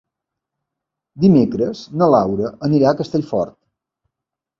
Dimecres na Laura anirà a Castellfort.